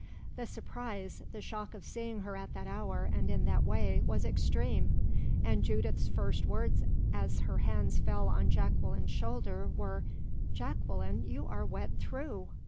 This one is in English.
The surprise, the shock of seeing her at that hour and in that way, was extreme; and Judith's first words as her hands fell on Jacqueline's shoulder were: "Jacqueline, you are wet through."